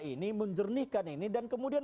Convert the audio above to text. ini menjernihkan ini dan kemudian